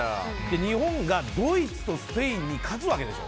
日本がドイツとスペインに勝つわけでしょう。